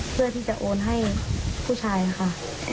เพื่อที่จะโอนให้ผู้ชายค่ะ